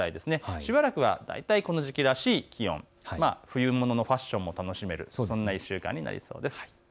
しばらくは大体この時期らしい気温、冬物のファッションも楽しめる、そんな１週間になりそうです。